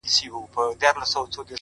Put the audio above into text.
o چي ستا تر تورو غټو سترگو اوښكي وڅڅيږي،